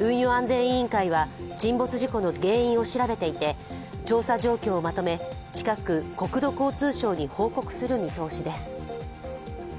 運輸安全委員会は沈没事故の原因を調べていて、調査状況をまとめ、近く国土交通省に報告する見通しです。